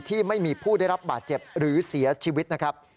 ที่ไม่มีผู้ได้รับบาดเจ็บหรือเสียชีวิตนะครับ